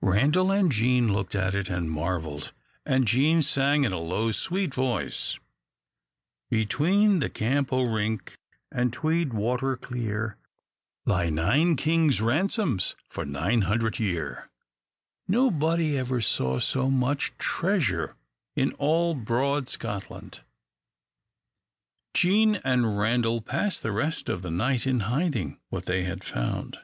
Randal and Jean looked at it and marvelled, and Jean sang in a low, sweet voice: "Between the Camp o' Rink And Tweed water clear, Lie nine kings' ransoms For nine hundred year." * Nobody ever saw so much treasure in all broad Scotland. Jean and Randal passed the rest of the night in hiding what they had found.